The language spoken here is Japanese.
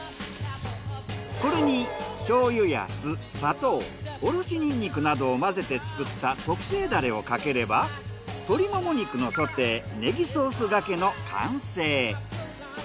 これに醤油や酢砂糖おろしニンニクなどを混ぜて作った特製ダレをかければ鶏もも肉のソテーネギソースがけの完成。